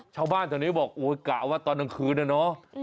ชาวบ้านแถวนี้บอกโอ้ยกะว่าตอนกลางคืนนะเนาะ